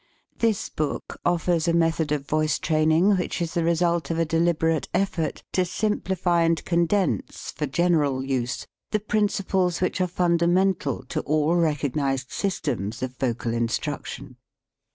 This book offers a method of voice training which is the result of a deliberate effort to simplify and condense, for general use, the principles which are fundamental to all recognized sys iii r\ p* f\ PREFACE terns of vocal instruction.